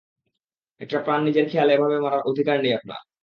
একটা প্রাণ নিজের খেয়ালে এভাবে মারার অধিকার নেই আপনার।